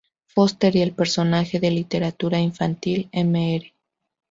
Forster y el personaje de literatura infantil Mr.